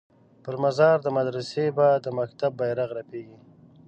پر مزار د مدرسې به د مکتب بیرغ رپیږي